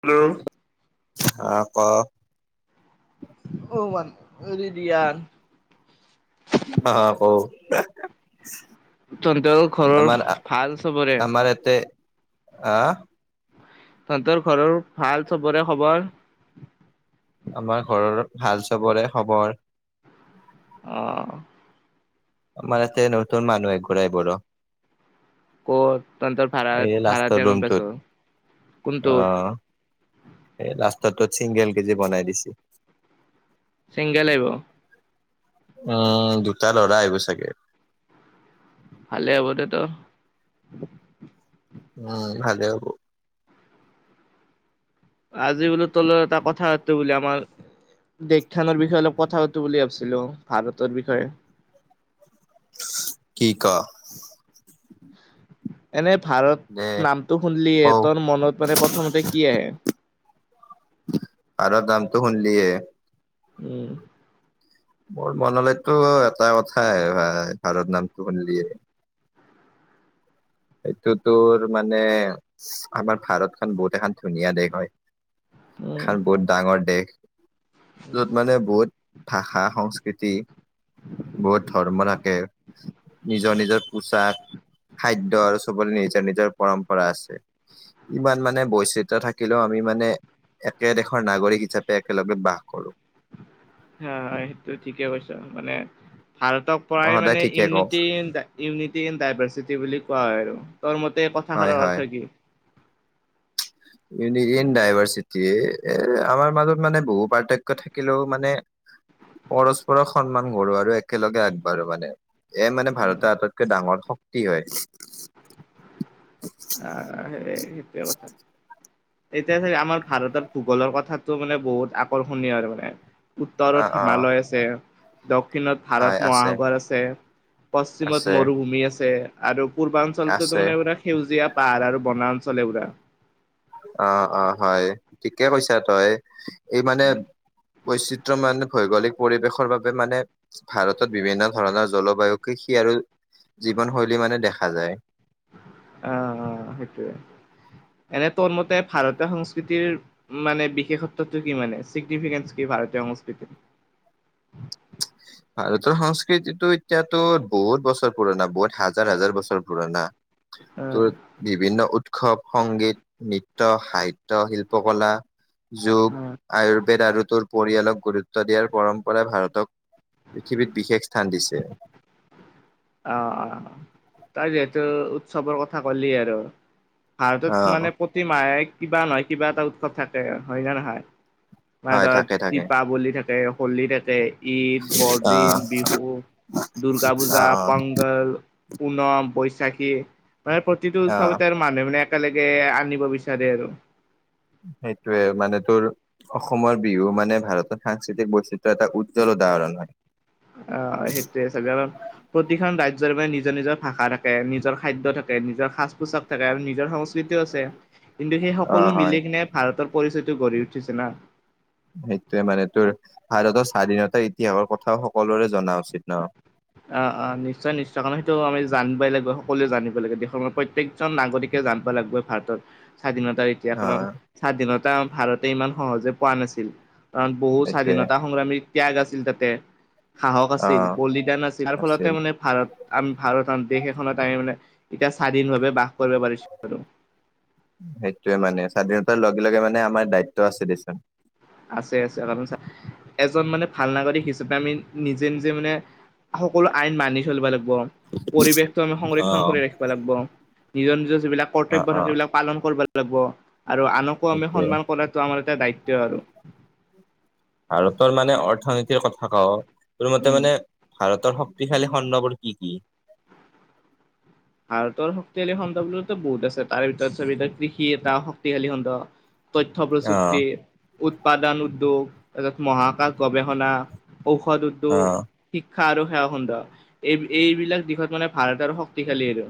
Hello আহ, কক অ' মান ৰতিয়া অ' কও তহঁতৰ ঘৰৰ আমাৰ ভাল চবৰে। আমাৰ ইয়াতে আহ তহঁতৰ ঘৰৰ ভাল চবৰে খবৰ। আমাৰ ঘৰৰ ভাল চবৰে খবৰ। আহ আমাৰ ইতে নতুন মানুহ একোনাই বড়ো ক'ত তহঁতৰ ভাড়া এই লাষ্টৰ ভাড়াতীয়া ৰুমটোত কেম্পাছত কোনটোত অ' এই লাষ্ট তীততো চিংগেল কেজি বনাই দিছি। চিংগেল আহিব। উম দুটা ল'ৰা আহিব চাগে। ভালে হবতেতো উম ভালে হ'ব। আজি বোলো তোৰ লগত এটা কথা পাতো বুলিলে আমাৰ দেশখানৰ বিষয়ে অলপ কথা পাতো বুলি ভাবিছিলো ভাৰতৰ বিষয়ে। কি ক? এনে দে ভাৰত নামটো শুনিলিয়ে কও তোৰ মনত মানে প্ৰথমতে কি আহে? ভাৰত নামটো শুনলিয়ে? উম। মোৰ মনলৈটো এটা কথাই আহে ভাই ভাৰত নামটো শুনিলিয়ে। সেটো তোৰ মানে আমাৰ ভাৰতখন বহুত এখন ধুনীয়া দেশ হয়। উম এখন বহুত ডাঙৰ দেশ। য'ত মানে বহুত ভাষা সংস্কৃতি বহুত ধৰ্ম থাকে নিজৰ নিজৰ পোচাক খাদ্য সবৰে নিজৰ নিজৰ পৰম্পৰা আছে। ইমান মানে বৈচিত্ৰ থাকিলেও আমি মানে একেদেশৰ নাগৰিক হিচাপে একেলগে বাস কৰোঁ। হা সেইটো ঠিকেই কৈছ মানে। ভাৰতক মই প্ৰায় সদায় মানে ঠিকে কওঁ unity in unity in diversity বুলি কোৱা হয় আৰু তোৰ মতে কথাষাৰৰ অৰ্থ কি? ইউ ইন ডাইভাৰ্চিটি এ আমাৰ মাজত মানে বহু পাৰ্থক্য থাকিলেও মানে পৰস্পৰক সন্মান কৰো আৰু একেলগে আগবাঢ়ো মানে এ মানে ভাৰতৰ আটাইতকৈ ডাঙৰ শক্তি হয়। [inaudible] অ' সেই সেইটোৱে কথা। এতিয়া চাগে আমাৰ ভাৰতত ভূগোলৰ কথাটো মানে বহুত আকৰ্ষণীয় আৰু মানে। অ উত্তৰত অ হিমালয় আছে, দ দক্ষিণত ভাৰত মহাসাগৰ আছে, পশ্চিমত আছে মৰুভূমি আছে, আৰু পূৰ্বাঞ্চলটো আছে মানে পোৰা সেউজীয়া পাহাৰ আৰু বনাঞ্চলে পোৰা। অ' অ' হয় ঠিকে কৈছা তই এই মানে বৈচিত্ৰয় মান ভৌগলিক পৰিৱেশৰ বাবে মানে ভাৰতত বিভিন্ন ধৰণৰ জলবায়ু কৃষি আৰু জীৱন শৈলী মানে দেখা যায়। অ' অ' সেইটোৱে। এনে তোৰ মতে ভাৰতীয় সংস্কৃতিৰ মানে বিশেষত্বটো কি মানে চিগনিফিকেনচ। কি ভাৰতীয় সংস্কৃতি। ভাৰতৰ সংস্কৃতিতটো এতিয়াতো বহুত বছৰ পুৰণা বহুত হাজাৰ হাজাৰ বছৰ পুৰণা। তো উম, বিভিন্ন উৎ উৎসৱ, সংগীত, নৃত্য, সাহিত্য, শিল্পকলা। যোগ উম। আয়ুৰ্বেদ আৰু তোৰ পৰিয়ালক গুৰুত্ব দিয়াৰ পৰম্পৰাই ভাৰতক। পৃথিৱীত বিশেষ স্থান দিছে। অ' অ' তই যিহেতু উৎসৱৰ কথা ক'লি আৰু। ভাৰতত অ', মানে প্ৰতিমাহে কিবা নহয় কিবা এটা উৎসৱ থাকে হয় ন নহয়। মানে হয় ধৰ থাকে থাকে। দীপাৱলী থাকে হলী থাকে। ঈদ অ', বৰদিন বিহু দুৰ্গা পূজা অ', পংগল। পুনম বৈশাখী মানে প্ৰতিটো অ', অ'। উৎসৱতে মানুহ মানে একেলগে আনিব বিচাৰে আৰু। সেইটোৱে মানে তোৰ। অসমৰ বিহু মানে ভাৰতৰ সাংস্কৃতিক বৈচিত্ৰ্যয়ৰ এটা উজ্জ্বল উদাহৰণ হয়। অ' সেইটোৱে ছাগে কাৰণ প্ৰতিখন ৰাজ নিজৰ নিজৰ ভাষা থাকে নিজৰ খাদ্য থাকে, নিজৰ সাজ পোছাক থাকে আৰু নিজৰ সংস্কৃতিও আছে। কিন্তু সেই অ' সকলো হয় মিলি কিনে ভাৰতৰ পৰিচয়টো গঢ়ি উঠিছে না। সেইটোয়ে মানে তোৰ ভাৰতৰ স্বাধীনতাৰ ইতিহাসৰ কথাও সকলোৰে জনা উচিত ন। অ' অ' নিশ্চয় নিশ্চয় কাৰণ সেইটো আমি জানিবই লাগিব সকলোৱে জানিবই লাগে দেশৰ প্ৰত্যেকজন নাগৰিকে জানিব লাগিবৈ ভাৰতৰ স্বাধীনতাৰ ইতিয়াসত অ' স্বাধীনতা এটা ভাৰতে ইমান সহজে পোৱা নাছিল, কাৰণ বহু সেইটোয়ে স্বাধীনতা সংগ্ৰামী ত্যাগ আছিল, তাতে সাহস আছিল, অ' বলিদান আছিল, তাৰ ফলতে মানে ভাৰত আমি ভাৰত। দেশ এখনত তাৰি মানে এতিয়া স্বাধীন ভাৱে বাস কৰিব পাৰিছো আৰু সেইটোৱে মানে স্বাধীণত লগে লগে মানে আমাৰ দায়িত্ব আছে দেচোন। আছে, আছে, কাৰণ এজন মানে ভাল নাগৰিক হিচাপে আমি নিজে নিজে মানে সকলো আইন মানি চলিব লাগিব। পৰিৱেশটো আমি সংৰক্ষন অ' কৰি ৰাখিব লাগিব, নিজৰ নিজৰ যিবিলাক অ' কৰ্তব্য থাকে অ' সেই বিলাক পালন কৰিব লাগিব আৰু আনকো আমি সেইটোয়ে সন্মান কৰাতটো আমাৰ এটা দায়িত্ব আৰু ভাৰতৰ মানে অৰ্থনীতিৰ কথা কওঁ, তোৰ মতে উম মানে ভাৰত শক্তিশালী খণ্ডবৰ কি কি? ভাৰতৰ শক্তিশালী খণ্ড বোলোতে বহুত আছে, তাৰ ভিতৰত চ কৃষি এটা শক্তিশালী খণ্ড। তথ্য অ' প্ৰযুক্তি, উৎপাদন উদ্যোগ ত মহাকাশ গৱেষণা ঔষধ উদ্যোগ অ' শিক্ষা আৰু সেৱা সুন্দৰ, এই এইবিলাক দিশত মানে ভাৰতৰ শক্তি শালি আৰু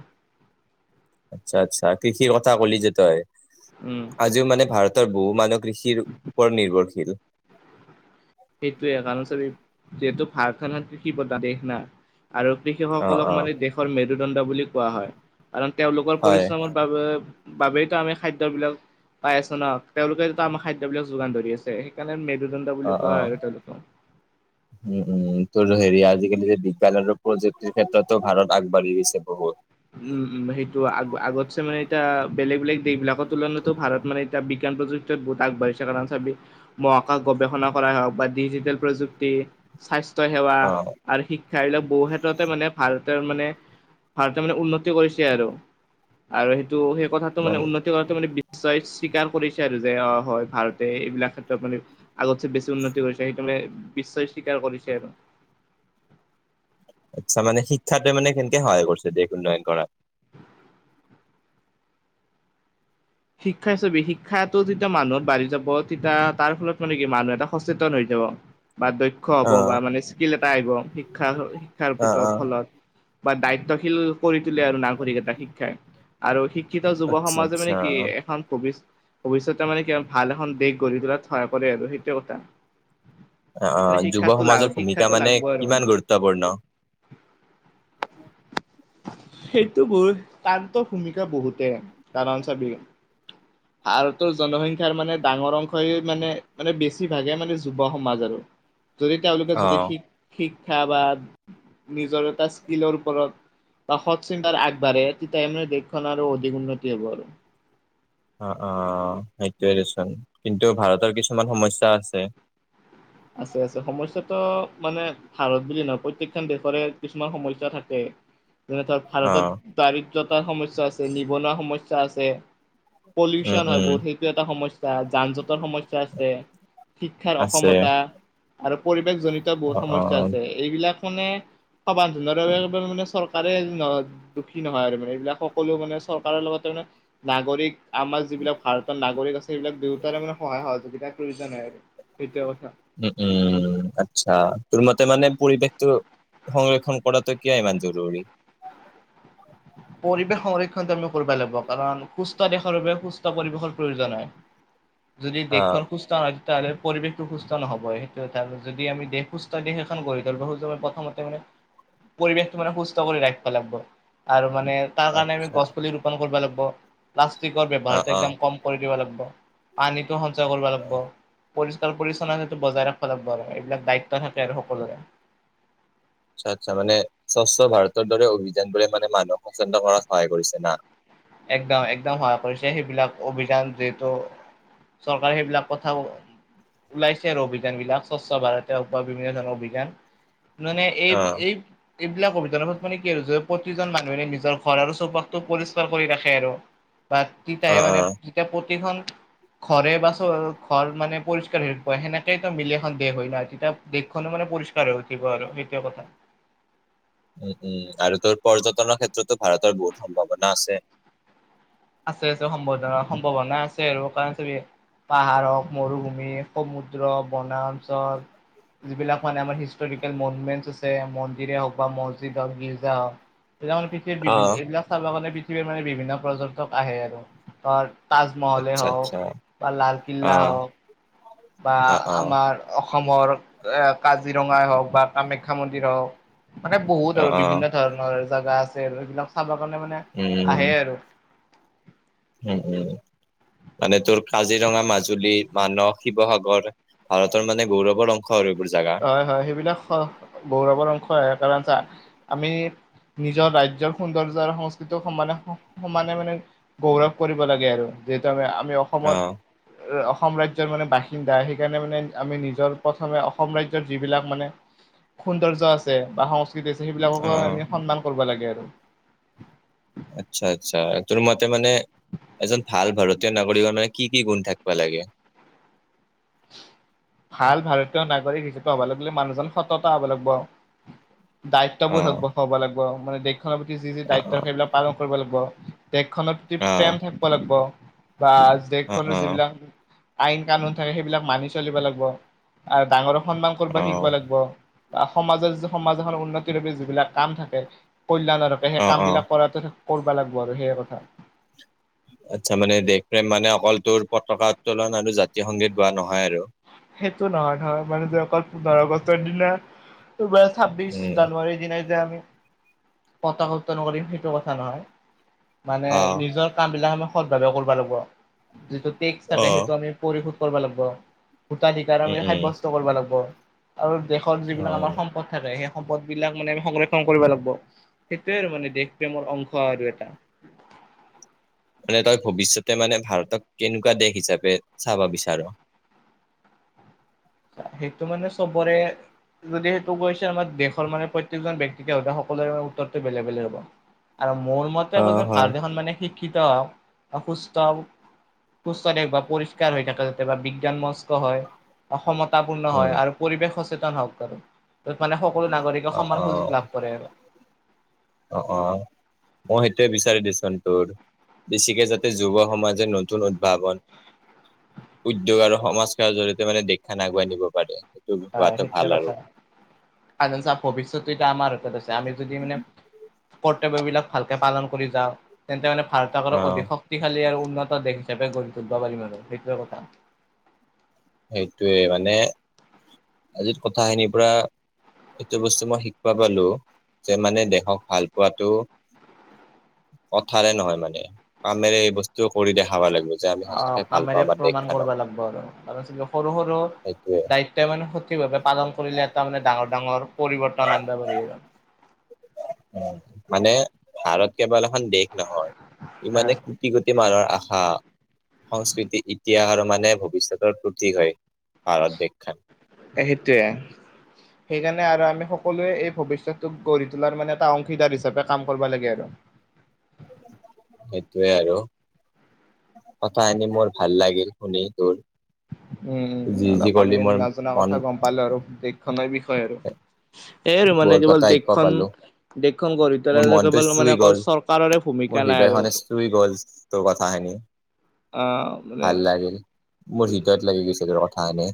আচ্ছা, আচ্ছা, কৃষিৰ কথা কলি যে তই। উম আজিও মানে ভাৰতৰ বহু মানুহ কৃষিৰ ওপৰত নিৰ্ভৰশীল। সেইটোৱে কাৰণ চবে যিহেতু ভাৰত খন কৃষি প্ৰধান দেশ না। আৰু অ কৃষকসকলক অ মানি দেশৰ মেৰুদণ্ড বুলি কোৱা হয়। কাৰণ তেওঁলোকৰ হয় পৰিশ্ৰমৰ বাবে বাবেইতো আমি খাদ্য বিলাক। পাই আছো ন তেওঁলোকে আমাৰ খাদ্য বিলাক যোগান ধৰি আছে, সেইকাৰণে মেৰুদণ্ড। বুলি অ' কোৱা হয় অ' আৰু তেওঁলোকক। উম, উম। তো হেৰি আজিকালি যে বিজ্ঞান আৰু প্ৰযুক্তিৰ ক্ষেত্ৰতো ভাৰত আগবাঢ়ি গৈছে বহুত। উম, সেইটো আ আগতছে মানে এতিয়া বেলেগ বেলেগ দেশ বিলাকৰ তুলনাতো ভাৰত মানে বিজ্ঞান প্ৰযুক্তিত বহুত আগবাঢ়িছে, কাৰণ চাবি মহাকাশ গৱেষণা কৰা হওঁক বা ডিজিটেল প্ৰযুক্তি সেই স্বাস্থ্য স্বাস্থ্য সেৱা অ আৰু শিক্ষাি এইবিলাক বহু ক্ষেত্ৰতে মানে ভাৰতৰ মানে ভাৰ মানে উন্নতি কৰিছে আৰু সেইটো সেই কথাটো মান মানে উন্নতি কৰা মানে [unintelligible] স্বীকাৰ কৰিছে আৰু যে অ' হয় ভাৰতে এইবিলাক ক্ষেত্ৰত মানে আগতছে বেছি উন্নতি কৰিছে, সেইটো মানে নিশ্চয়, স্বীকাৰ কৰিছে আৰু। আচ্ছা, মানে শিক্ষাটোৱে মানে কেনেকে সহায় কৰিছে দেশ উন্নয়ন কৰাত। শিক্ষা ই চবি শিক্ষাটো যেতিয়া মানুহত বাঢ়ি যাব তেতিয়া তাৰ ফলত মানে কি মানুহ এটা সচেতন হৈ যাব। বা দৈক্ষ হ'ব অ বা মানে স্কিল এটা আহিব শিক্ষা শিক্ষাৰ অ অ ভিতফলত। বা দায়িত্বশীল কৰি তোলে আৰু নাগৰিক এটা শিক্ষাই আৰু শিক্ষিত যুৱ আচ্ছা সমাজে মানে। আচ্ছা এখন ভবিচ ভৱিষ্যতে মানে কি ভাল এখন দেশ গঢ়ি তোলাৰ সহায় কৰে আৰু সেইটো কথা। অ' মানে অ' যুৱ শিক্ষাটো লাগ সমাজৰ ভূমিকা শিক্ষাটো মানে লাগব আৰু মানে কিমান গুৰুত্বপূৰ্ণ। [inaudible] সেইটো বোৰ তান্ত ভূমিকা বহুতে দে, কাৰণ চাবি। ভাৰতৰ জনসংখ্যাৰ মানে ডাঙৰ অংশই মানে মানে বেছিভাগে মানে যুৱ সমাজ আৰু যদি তেওঁলোকে অ যদি শিক্ষা বা নিজৰ এটা স্কিলৰ ওপৰত। বা সত চিন্তাৰ আগবাঢ়ে তেতিয়াহে দেশখনৰ আৰু অধিক উন্নতি হ'বৰ। অ' অ' সেইটোৱে দেচোন কিন্তু ভাৰতৰ কিছুমান সমস্যা আছে। আছে, আছে, সমস্যয়াটো মানে ভাৰত বুলি নহয় প্ৰত্যেকখন দেশৰে কিছুমান সমস্যা থাকে। যেনে ধৰ অ ভাৰতত দাৰিদ্ৰয়তাৰ সমস্যা আছে, নিবনুৱা সমস্যা আছে। উম পলিউচন হয়, উম বহুত সেইটো এটা সমস্যা যান জটৰ সমস্যা আছে। শিক্ষাৰ আছে অসমতা আৰু পৰিৱেশ জনিত বহুত অ সমস্যা অ আছে, এইবিলাক মানে সবাধনৰ বাবে মানে চৰকাৰে দুখী নহয় আৰু মানে এইবিলাক সকলো মানে চৰকাৰৰ লগতে নাগৰিক আমাৰ যিবিলাক ভাৰতৰ নাগৰিক আছে সেইবিলাক দুইটাৰে মানে সহায় সহযোগিতাৰ প্ৰয়োজন হয় আৰু সেইটো কথা। উম, উম, আচ্ছা। তোৰ মতে মানে পৰিৱেশটো সংৰক্ষণ কৰাটো কিয় ইমান জৰুৰী। [inaudible] পৰিৱেশ সংৰক্ষণটো আমি কৰিব লাগব কাৰণ সুস্থ দেশৰ বাবে সুস্থ পৰিৱেশৰ প্ৰয়োজন হয়। যদি অ', দেশখন সু্স্থ হয়। তাৰে পৰিৱেশটো সুস্থ নহ'ব সেইটো এটা যদি আমি দেশ সুস্থ দেশ এখন গঢ়ি তুলিব সোজো, প্ৰথমতে মানে পৰিৱেশটো মানে সুস্থ কৰি ৰাখিব লাগিব। আৰু মানে তাৰ কাৰণে আমি আচ্ছা গছ পুলি ৰোপন কৰিব লাগিব, প্লাষ্টিকৰ অ', ব্যৱহাৰ অ', একদম কম কৰি দিব লাগিব। পানীতটো সঞ্চয় কৰিব লাগিব। পৰিষ্কাৰ পৰিচ্ছন্নতটো বজাই ৰাখিব লাগিব। এইবিলাক দায়িত্ব থাকে আৰু সকলোৰে। আচ্ছা, আচ্ছা মানে স্বচ্ছ ভাৰতৰ দৰে অভিযানবোৰে মানে মানুহক সচেতন্তন কৰাত সহায় কৰিছে না। একদম, একদম সহায় কৰিছে, সেইবিলাক অভিযান যিহেতু। চৰকাৰে সেইবিলাক কথাও। ওলাইছে আৰু অভিযান বিলাক স্বচ্ছ ভাৰত হওঁক বা বিভিন্ন ধৰণৰ অভিযান। মানে এই অ', এই এইবিলাক অভিযানৰত মানে কি যে প্ৰতিজন মানুহেনে নিজৰ ঘৰ আৰু চৌপাশটো পৰিচকা কৰি ৰাখে আৰু বা তিতাহে অ', মানে অ', যেতিয়া প্ৰতিখন। ঘৰে বা চ ঘৰ মানে পৰিষ্কাৰ হেৰি প সেনেকেই মিলি এখন দেশ হয় নহয় তেতিয়া দেশখনো মানে। পৰিষ্কাৰ হৈ উঠিব আৰু হেতোয়ে কথা উম, উম আৰু তোৰ পৰ্যটনৰ ক্ষেত্ৰতো ভাৰতৰ বহুত সম্ভাৱনা আছে। আছে, আছে সম্ভাৱনা সম্ভাৱনা আছে, আৰু কাৰণ চ পাহাৰহক, মৰুভূমি, সমুদ্ৰৰ বনাঞ্চল যিবিলাক মানে আমাৰ হিষ্টৰিকেল মনুমেণ্ট আছে, মন্দিৰে হওঁক বা মছজিদ হওঁক, গিৰ্জা হওঁক। এতিয়া মানে পৃথিৱীৰত বিভিন্ন অ', এইবিলাক চাবৰ কাৰণে পৃথিৱীৰ মানে বিভিন্ন পৰ্যটক আহে আৰু তাৰ তাজমহলে আচ্ছা হওঁক আচ্ছা বা লালকিল্লা অ', হওঁক বা অ', অ', আমাৰ অসম অসমৰ এ কাজিৰঙাই হওঁক বা কামাখ্যা মন্দিৰ হওঁক। মানে বহুত অ', আৰু অ', বিভিন্ন ধৰণৰ জেগা আছে আৰু এইবিলাক চাব। [unintelligible] কাৰণে মানে আহে উম, আৰু উম, উম। মানে তোৰ কাজিৰঙা মাজুলী, মানস, শিৱসাগৰ ভাৰতৰ মানে গৌৰৱৰ অংশ। আৰু এইবোৰ জাগা। হয়, হয়। সেইবিলাক গৌৰৱৰ অংশ আহ কাৰণ চা আমি নিজৰ ৰাজ্য সৌন্দৰ্য্য আৰু সংস্কৃতি সমানে সমানে মানে গৌৰৱ কৰিব লাগে, আৰু [unintelligible] আমি অসমৰ অ', অসম ৰাজ্ৰ মানে বাসিন্দা সেইকাৰণে মানে আমি নিজৰ প্ৰথমে স্ৰাজ্যৰ যিবিলাক মানে সৌন্দৰ্য আছে বা সংস্ অ', সেইবিলাককো অ'। সন্মান কৰিব লাগে আৰু। আচ্ছা, আচ্ছা, তোৰ মতে মানে, এজন ভাল ভাৰতীয় নাগৰিক কি কি গুণ থাকিব লাগে? [inaudible] ভাল ভাৰতীয় নাগৰিক হিচাপে হ'ব লাগিলে মানুহজন সততা হ'ব লাগিব, আৰু অ দায়িত্ববোৰ হব লাগিব মানে দেশখনৰ প্ৰতি যি যি অ দায়িত্ব সেইবিলাক পালন কৰিব লাগিব। দেশখনৰ প্ৰতি অ প্ৰেম থাকিব লাগিব। বা অ অ দেশখনৰ যিবিলাক আইন কানুন থাকে সেইবিলাক মানি চলিব লাগিব, আৰু ডাঙৰ সন্মান কৰিব অ শিকিব লাগিব। বা সমাজৰ সমাজ এখন উন্নতিৰ বাবে যিবিলাক কাম থাকে, কলল্যাণৰ থকে সেই অ কাম অ বিলাক কৰাটো কৰিবা লাগিব আৰু সেইয় কথা। আচ্ছা মানে দেশ প্ৰ্ৰেম মানে অকলটোোৰ পতাকা উত্তোলন আৰু জাতীয় সংগীত গোৱা নহয় আৰু। সেইটো নহয় নয় মানে যে অকল পোন্ধৰ আগষ্টৰ দিনা [unintelligible] ছাব্বিছ উম জানুৱাৰীৰ দিনাই যে আমি, পতকা উত্তন কৰিম সেইটো কথা নহয় মানে অ নিজৰ কাম বিলাক আ ভাৱে কৰিব লাগিব যিটোক [unintelligible] অ সেইটো আমি পঢ়িশোধ কৰিব লাগিব। গূটাাধিকাৰ উম আমি উম সাব্যস্ত কৰিব লাগিব। আৰু দেশত অ যিবিলাক আমাৰ সম্পদ থাকে সেই, সম্পদ বিলাক মানে সংৰক্ষণ কৰিব লাগিব সেইটোয়ে আৰু মানে দেশ প্ৰেমৰ অংশ আৰু এটা। [inaudible] মানে তই ভৱিষ্যতে মানে ভাৰতক কেনেকুৱা দেশ হিচাপে চাব বিচাৰ? সেইটো মানে চবৰে যদি সেইটো কৈছে আমাৰ দেশৰ মানে পপ্ৰতেইকজন ব্যক্তিকে স সকলোৰে উত্তৰটো বেলেগ বেলেগ হ'ব। আৰু মোৰ মতে অ হয় ভাৰত এখন মানে শিক্ষিত হওক বা সুস্থ হওক, সুস্থ থক বা পৰিষ্কাৰ হৈ থাকে যাতো বিজ্ঞান মস্ক হয়, অসমতাাপূৰ্ণ হয় উম আৰু পৰিৱেশ সচেতন হওক আৰু। ত মানে সকলো নাগৰিকে অ অ সমান সুযোগ লাভ কৰে আৰু। অ অ মই সেইটয়ে বিচাৰি দিচোন তোৰ, বেছিকৈ যাতে যুৱ সমাজে নতুন উদ্ভাৱন উদ্যোগ আৰু সমাজ সৰ জৰিয়িয়তে মানে দেখান আগুৱাই নিব পাৰে। সেইটো হয় হোৱাটো ভাল সেইটোয়ে আৰু কথা আ ভৱিষ্যত এতিয়া আমাৰ আ আমি যদি মানে কৰ্তব্য বিলাক ভালকে পালন কৰি যাওঁ তেন্তে মানে ভাৰতক অ অধিক শক্তিশালী আৰু উনতা দেশ হিচাপে [unintelligible] পাৰি ম আৰু সেইটোৱে কথা। সেইটোৱে মানে আজিৰ কথাখিনিৰ পৰা এইটো বস্তু মই শিকিবো পালো যে মানে দেশক ভাল পোৱাটো কথাৰে নহয় মানে কামেৰে এই বস্তু কৰি দেখাব লাগে। অ কামেৰে প্ৰমাণ কৰিব লাগব আৰু। তাৰপিছত সৰু সৰু সেইটোয়ে দায়িত্বই মানে সঠিকভাৱে পালন কৰিলে এটা মানে ডাঙৰ ডাঙৰ, পৰিৱৰ্তন আনিব পাৰি আৰু। মানে ভাৰত কেৱল এখন দেশ নহয় ইমানে অ' কোটি কোটি মানুহৰ আশা হ সংস্কৃতি ইতিহাস আৰু মানে ভৱিষ্যতৰ প্ৰতীক হয়। ভাৰত দেশখন সেইটোয়ে সেইকাৰণে আৰু আমি সকলোৱে এই ভৱিষ্যতটোক গঢ়ি তোলাৰ মানে এটা অংশীদাৰ হিচাপে কাম কৰিব লাগে আৰু। সেইটোৱে আৰু, কথা খিনি মোৰ ভাল লাগিল শুনি তোৰ। উম উম যি যি অলপ আমি কৰিলি মোৰ নাজনা মন কথা গম পালো আৰু দেশখনেনৰ বি হয় আৰু এই আৰু মানে বহুত কেৱল কথা শিকবা দেশখন পাৰলো দখন গঢ়ি তোলে মোৰ মনটো কেৱল মানে চুই অকল গ'ল চৰকাৰৰে ভূমিকা মোৰ নাই আৰু হৃদয়খনে চুই গ'ল তোৰ কথাখিনি অ ভাল লাগিল মোৰ হদত লাগি গৈছিল ৰথাা এনে